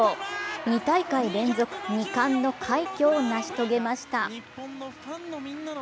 ２大会連続２冠の快挙を成し遂げました。